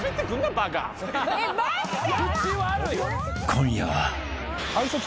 ［今夜は］